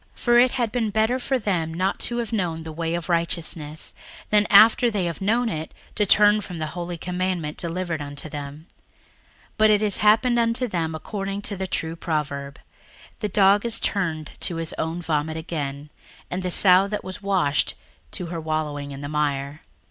61:002:021 For it had been better for them not to have known the way of righteousness, than, after they have known it, to turn from the holy commandment delivered unto them. 61:002:022 But it is happened unto them according to the true proverb, The dog is turned to his own vomit again; and the sow that was washed to her wallowing in the mire.